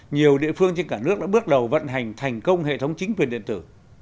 nhiều địa phương trên cả nước đã bước đầu vận hành thành công hệ thống chính quyền điện tử